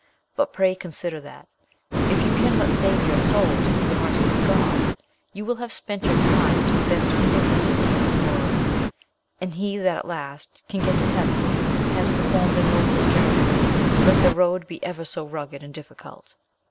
But pray consider that, if you can but save your souls through the mercy of God, you will have spent your time to the best of purposes in this world; and he that at last can get to heaven has performed a noble journey, let the road be ever so rugged and difficult.